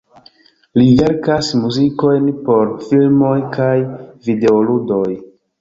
Li verkas muzikojn por filmoj kaj videoludoj.